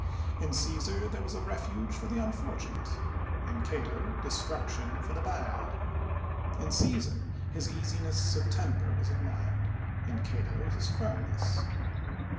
In CsBsar, there was a refuge for the unfortunate; in Cato, destruction for the bad. In (^eesar, his easiness of temper was admired; in Cato, his firmness.